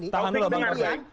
tahan dulu bang taufik